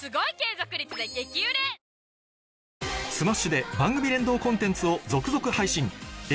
ｓｍａｓｈ．で番組連動コンテンツを続々配信